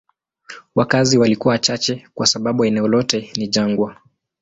Wakazi walikuwa wachache kwa sababu eneo lote ni jangwa.